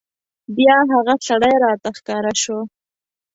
بیا هغه سړی راته راښکاره شو.